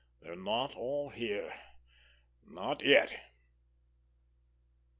"They're not all here—not yet."